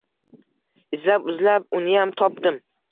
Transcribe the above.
Izlab-izlab uniyam topdim.